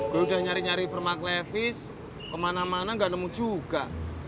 gue udah nyari nyari permak levis kemana mana gak nemu juga